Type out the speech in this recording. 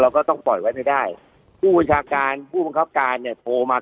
เราก็ต้องปล่อยไว้ใดด้ายคู่บัญชาการคู่บังคับการเนี้ยโทรมา